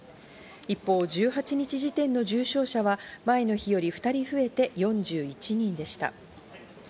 一方、１８日時点の重症者は前の日より２人増えて４１人でした。